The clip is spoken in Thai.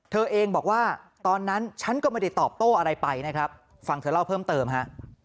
เธอเองบอกว่าตอนนั้นฉันก็ไม่ได้ตอบโต้อะไรไปนะครับฟังเธอเล่าเพิ่มเติมฮะ